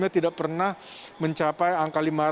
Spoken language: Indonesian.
tidak pernah mencapai angka lima ratus